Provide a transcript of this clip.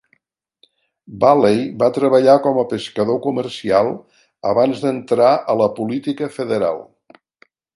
Valley va treballar com a pescador comercial abans d'entrar a la política federal.